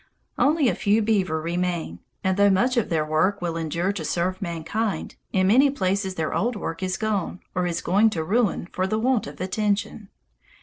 Only a few beaver remain, and though much of their work will endure to serve mankind, in many places their old work is gone or is going to ruin for the want of attention.